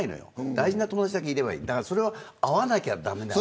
大事な友達だけいればいいそれは会わなきゃ駄目だね。